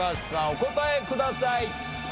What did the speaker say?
お答えください！